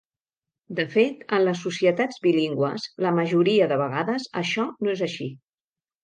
De fet, en les societats bilingües la majoria de vegades això no és així.